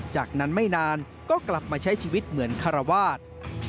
จากนั้นไม่นานก็กลับมาใช้ชีวิตเหมือนคารวาส